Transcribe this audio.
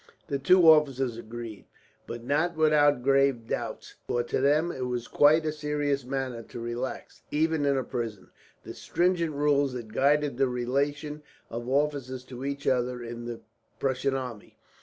The two officers agreed, but not without grave doubts; for to them it was quite a serious matter to relax, even in a prison, the stringent rules that guided the relation of officers to each other in the Prussian army.